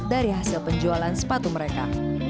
dari hasil penjualan sepatu mereka